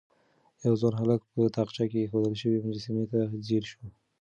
يو ځوان هلک په تاقچه کې ايښودل شوې مجسمې ته ځير شو.